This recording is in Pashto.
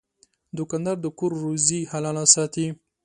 دوکاندار د کور روزي حلاله ساتي.